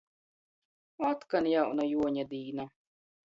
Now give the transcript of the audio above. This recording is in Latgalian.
Otkon jauna Juoņadīna!